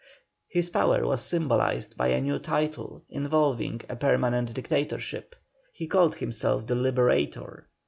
His power was symbolized by a new title, involving a permanent Dictatorship; he called himself the LIBERATOR.